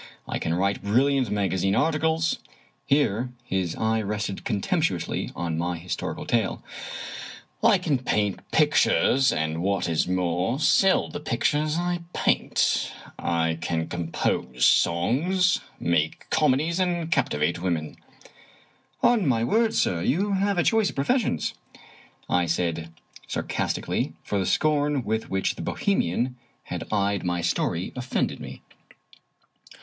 I can write brilliant magazine articles "— ^here his eye rested contemp tuously on my historical tale —" I can paint pictures, and, what is more, sell the pictures I paint. I can compose songs, make comedies, and captivate women." " On my word, sir, you have a choice of professions," I said, sarcastically; for the scorn with which the Bohemian had eyed my story offended me.